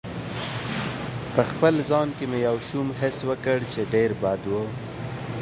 په خپل ځان کې مې یو شوم حس وکړ چې ډېر بد و.